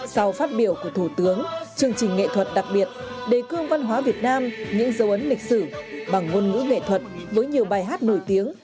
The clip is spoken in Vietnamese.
sau phát biểu của thủ tướng chương trình nghệ thuật đặc biệt đề cương văn hóa việt nam những dấu ấn lịch sử bằng ngôn ngữ nghệ thuật với nhiều bài hát nổi tiếng